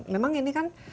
memang ini kan